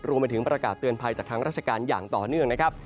รวมไปถึงประกาศเตือนภัยจากทางราชการอย่างต่อเนื่องนะครับ